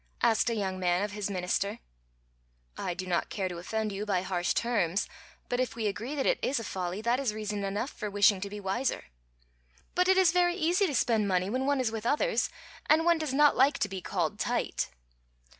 asked a young man of his minister. "I do not care to offend you by harsh terms, but if we agree that it is a folly, that is reason enough for wishing to be wiser." "But it is very easy to spend money when one is with others, and one does not like to be called 'tight.'"